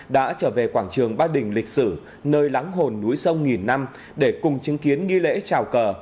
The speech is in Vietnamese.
đã trở về quảng trường ba đình lịch sử nơi lắng hồn núi sông nghìn năm để cùng chứng kiến nghi lễ trào cờ